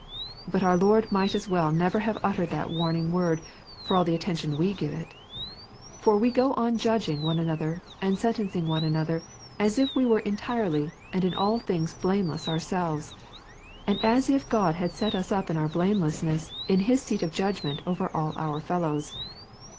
But our Lord might as well never have uttered that warning word for all the attention we give it. For we go on judging one another and sentencing one another as if we were entirely and in all things blameless ourselves, and as if God had set us up in our blamelessness in His seat of judgment over all our fellows.